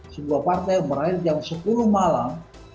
sebuah partai yang berakhir jam sepuluh malam